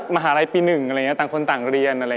มหาลัยปี๑อะไรอยู่นี่ต่างคนต่างเรียน